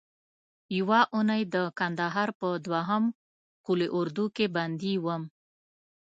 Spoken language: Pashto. یوه اونۍ د کندهار په دوهم قول اردو کې بندي وم.